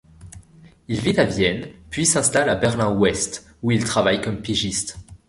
Il vit à Vienne, puis s'installe à Berlin-Ouest où il travaille comme pigiste.